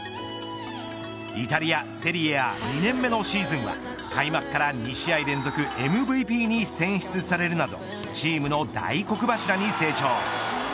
イタリア、セリエＡ２年目のシーズンは開幕から２試合連続ＭＶＰに選出されるなどチームの大黒柱に成長。